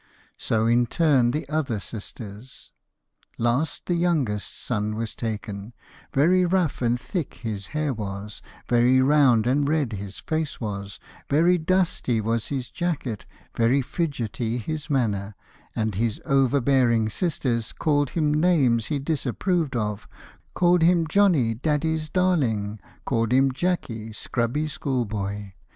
So in turn the other sisters. [Illustration: "NEXT TO HIM THE ELDEST DAUGHTER"] Last, the youngest son was taken: Very rough and thick his hair was, Very round and red his face was, Very dusty was his jacket, Very fidgety his manner. And his overbearing sisters Called him names he disapproved of: Called him Johnny, 'Daddy's Darling,' Called him Jacky, 'Scrubby School boy.'